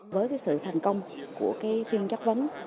với sự thành công của phiên chất vấn